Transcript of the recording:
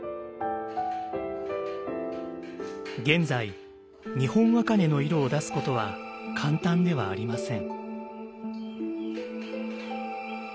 現在日本茜の色を出すことは簡単ではありません。